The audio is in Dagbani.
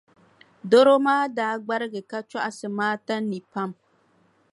Dɔro maa daa gbarigi ka chɔɣisi Maata nii pam.